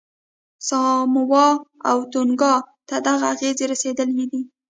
ساموا او تونګا ته دغه اغېزې رسېدلې دي.